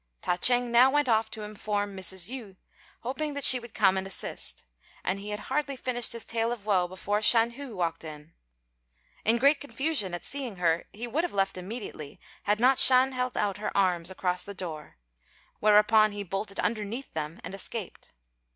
Ta ch'êng now went off to inform Mrs. Yü, hoping that she would come and assist; and he had hardly finished his tale of woe before Shan hu walked in. In great confusion at seeing her, he would have left immediately had not Shan hu held out her arms across the door; whereupon he bolted underneath them and escaped.